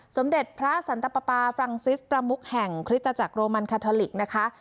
สมเด็จพระสันตปาฟรังซิสประมุกแห่งคริสตจักรโรมันคาทอลิกนะคะ